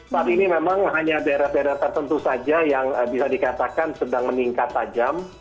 saat ini memang hanya daerah daerah tertentu saja yang bisa dikatakan sedang meningkat tajam